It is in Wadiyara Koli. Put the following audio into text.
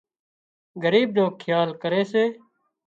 ڳريب نو کيال ڪري سي